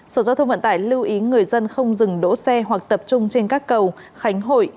sở giao thông vận tải lưu ý người dân không dừng đỗ xe hoặc tập trung trên các cầu khánh hội